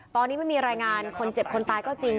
ตอนนี้ไม่มีรายงานคนเจ็บคนตายก็จริง